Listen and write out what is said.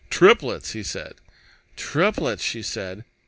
"Triplets!" he said. "Triplets!" she said.